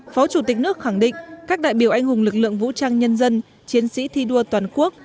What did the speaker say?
phó chủ tịch nước khẳng định các đại biểu anh hùng lực lượng vũ trang nhân dân chiến sĩ thi đua toàn quốc